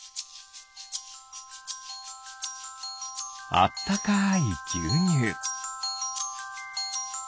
あったかいぎゅうにゅう。